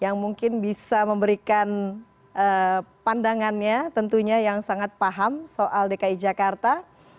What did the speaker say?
yang mungkin bisa memberikan pandangannya tentunya yang sangat paham soal dki jakarta